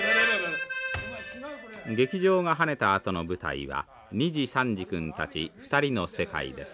劇場がはねたあとの舞台は二次三次君たち２人の世界です。